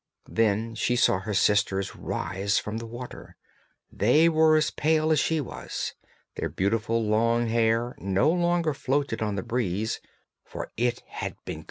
Then she saw her sisters rise from the water; they were as pale as she was; their beautiful long hair no longer floated on the breeze, for it had been cut off.